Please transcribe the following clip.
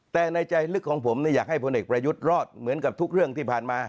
แต่ในใจลึกของผมอยากให้พลเอกประยุทธ์รอดเหมือนกับทุกเรื่องที่ผ่านมา